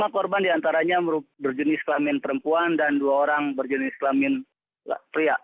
lima korban diantaranya berjenis kelamin perempuan dan dua orang berjenis kelamin pria